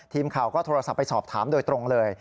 ทีมข่าวก็โทรศัพท์ไปสอบถามโดยตรงเลย